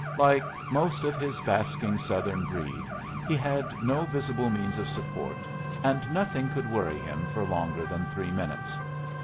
Like most of his basking Southern breed, he had no visible means of support, and nothing could worry him for longer than three minutes.